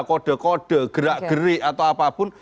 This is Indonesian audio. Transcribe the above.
kode kode gerak gerik atau apapun